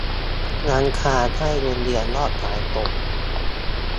ร้านค้าใกล้โรงเรียนยอดขายตก